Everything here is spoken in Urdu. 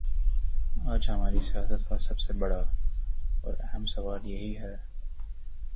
آج ہماری سیاست کا سب سے بڑا اور اہم سوال یہی ہے؟